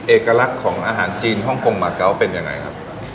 เอกลักษณ์ของอาหารจีนฮ่องกงมาเกาะเป็นยังไงครับ